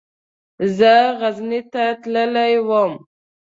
زه غزني ته تللی يم.